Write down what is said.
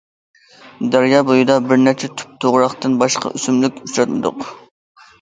دەريا بويىدا بىر نەچچە تۈپ توغراقتىن باشقا ئۆسۈملۈك ئۇچراتمىدۇق.